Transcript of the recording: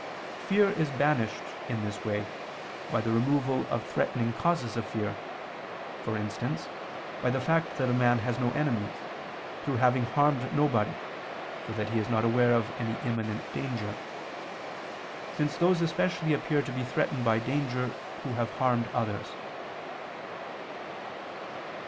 Fear is banished, in this way, by the removal of threatening causes of fear; for instance, by the fact that a man has no enemies, through having harmed nobody, so that he is not aware of any imminent danger; since those especially appear to be threatened by danger, who have harmed others.